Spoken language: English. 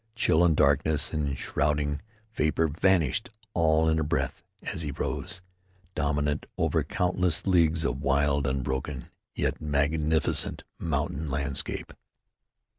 Chill and darkness and shrouding vapor vanished all in a breath as he rose, dominant over countless leagues of wild, unbroken, yet magnificent mountain landscape.